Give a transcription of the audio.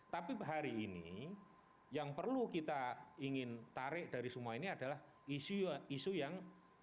tapi hari ini yang perlu kita ingin tarik dari semua ini adalah isu yang